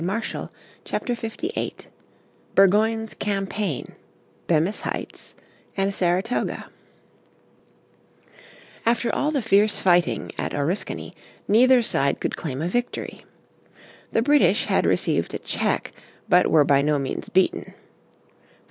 __________ Chapter 58 Burgoyne's Campaign Bemis Heights and Saratoga After all the fierce fighting at Oriskany neither side could claim a victory. The British had received a check, but were by no means beaten.